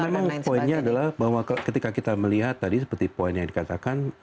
memang poinnya adalah bahwa ketika kita melihat tadi seperti poin yang dikatakan